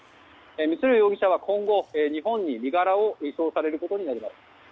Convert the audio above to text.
光弘容疑者は今後、日本に身柄を移送されることになります。